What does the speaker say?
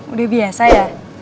udah biasa ya